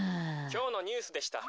「きょうのニュースでした」。